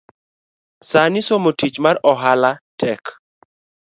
Sani somo tich mar ohala tek